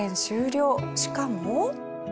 しかも。